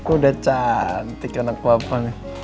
udah cantik anak wapanya